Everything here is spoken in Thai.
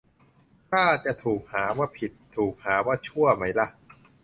กล้าจะ ถูกหาว่า 'ผิด' ถูกหาว่า 'ชั่ว' ไหมล่ะ